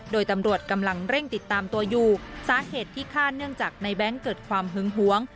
โดยตำรวจกำลังเร่งติดตามตัวอยู่สาเหตุที่ฆ่าเนื่องจากในแบงค์เกิดความหึงหวง